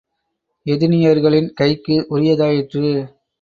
எதினியர்களின் கைக்கு உரியதாயிற்று.